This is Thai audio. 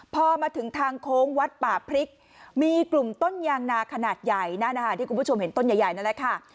พอมาถึงทางโค้งวัดป่าพริกมีกลุ่มต้นยางนาขนาดใหญ่นั่นนะคะที่คุณผู้ชมเห็นต้นใหญ่นั่นแหละค่ะ